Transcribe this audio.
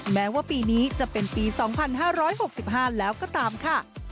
แม้ว่าปีนี้จะเป็นปี๒๕๖๕แล้วก็ตามค่ะ